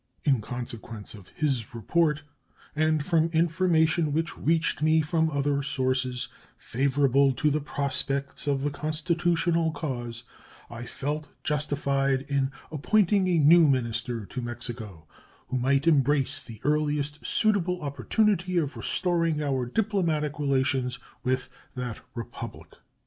In consequence of his report and from information which reached me from other sources favorable to the prospects of the constitutional cause, I felt justified in appointing a new minister to Mexico, who might embrace the earliest suitable opportunity of restoring our diplomatic relations with that Republic.